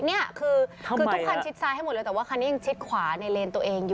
นี่คือทุกคันชิดซ้ายให้หมดเลยแต่ว่าคันนี้ยังชิดขวาในเลนตัวเองอยู่